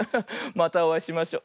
またおあいしましょう。